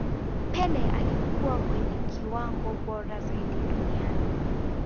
pele alikuwa kwenye kiwango bora zaidi duniani